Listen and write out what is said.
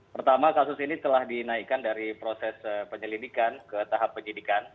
pertama kasus ini telah dinaikkan dari proses penyelidikan ke tahap penyidikan